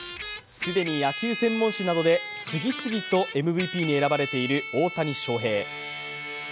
既に野球専門誌などで次々とＭＶＰに選ばれている大谷翔平。